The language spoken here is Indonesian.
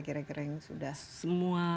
gara gara yang sudah semua